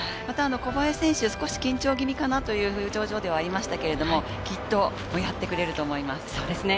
小林選手、少し緊張気味かなという表情ではありましたが、きっとやってくれると思います。